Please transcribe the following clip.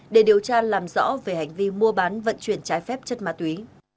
để điều tra làm rõ về hành vi mua bán vận chuyển trái phép chất ma túy